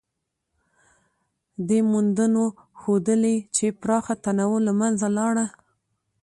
دې موندنو ښودلې، چې پراخه تنوع له منځه لاړه.